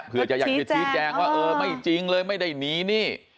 เพื่อจะอยากจะชี้แจงว่าเออไม่จริงเลยไม่ได้หนีหนี้